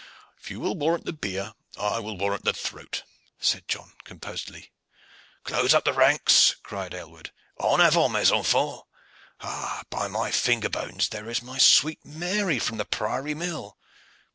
"If you will warrant the beer, I will warrant the throat," said John composedly. "Close up the ranks!" cried Aylward. "En avant, mes enfants! Ah, by my finger bones, there is my sweet Mary from the Priory Mill!